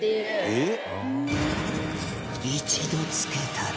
「えっ？」